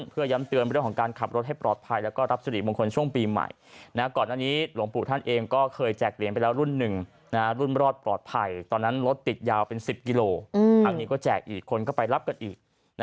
เพื่อย้ำเตือนการขับรถให้ปลอดภัยและรับส